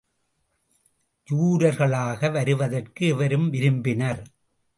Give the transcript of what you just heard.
ஜூரர்களாக வருவதற்கு எவரும் விரும்பினர்.